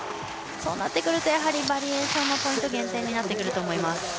そうなってくるとバリエーションのポイント減点になってくると思います。